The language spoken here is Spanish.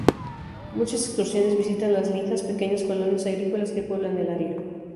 Muchas excursiones visitan las "linhas", pequeñas colonias agrícolas que pueblan el área.